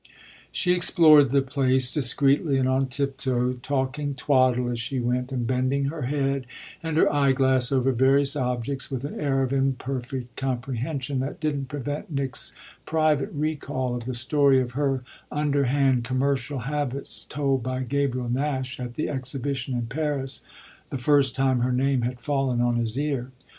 She explored the place discreetly and on tiptoe, talking twaddle as she went and bending her head and her eyeglass over various objects with an air of imperfect comprehension that didn't prevent Nick's private recall of the story of her underhand, commercial habits told by Gabriel Nash at the exhibition in Paris the first time her name had fallen on his ear.